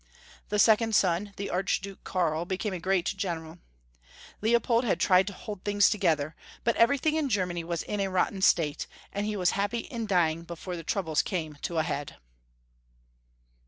The second son, the Archduke Karl, became a great general. Leopold had tried to hold things together^ but everything in Germany was in a rotten state, and he was happy in djdng before the troubles came to a head.